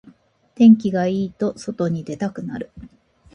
天気がいいと外に出たくなる